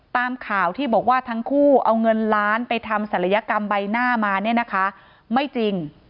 ตามข่าวที่บอกว่าทั้งคู่เอาเงินล้านไปทำศัลยกรรมใบหน้ามาเนี่ยนะคะไม่จริง